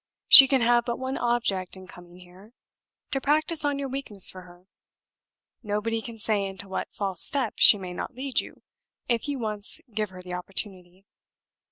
She can have but one object in coming here to practice on your weakness for her. Nobody can say into what false step she may not lead you, if you once give her the opportunity.